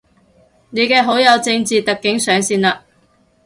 你嘅好友正字特警上線喇